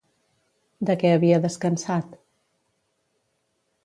De què havia descansat?